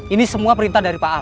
ini semua perintah dari pak ahok